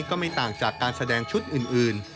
ก็ไม่ต่างจากการแสดงชุดอื่น